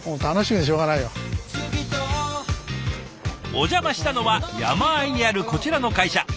お邪魔したのは山あいにあるこちらの会社。